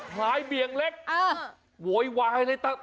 มาครั้งนี้มันจะมากินกินขนุนครับ